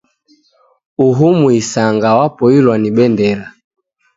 Uhu muisanga wapoilwa ni bendera.